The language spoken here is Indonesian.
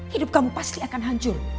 hidup kamu pasti akan hancur